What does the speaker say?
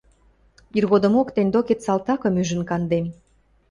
иргодымок тӹнь докет салтакым ӱжӹн кандем.